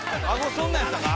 そんなんやったか？